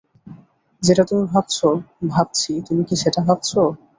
যেটা তুমি ভাবছো ভাবছি তুমি কি সেটা ভাবছো?